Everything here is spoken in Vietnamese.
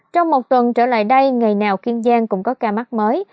trong một tuần trở lại đây ngày nào kiên giang cũng có ca mắc mới